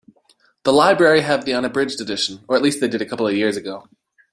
The library have the unabridged edition, or at least they did a couple of years ago.